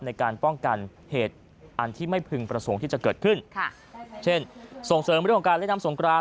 ในการป้องกันเหตุอันที่ไม่พึงประสงค์ที่จะเกิดขึ้นค่ะเช่นส่งเสริมเรื่องของการเล่นน้ำสงกราน